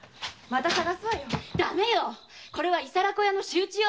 これは伊皿子屋の仕打ちよ！